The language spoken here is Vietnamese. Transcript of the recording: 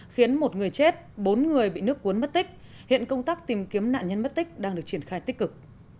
khiến một người chết bốn người bị nước cuốn mất tích hiện công tác tìm kiếm nạn nhân mất tích đang được triển khai tích cực